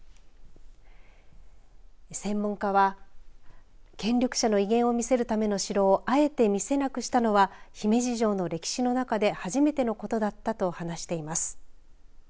専門家は権力者の威厳を見せるための城をあえて見せなくしたのは姫路城の歴史中で初めてのことだったと話しています。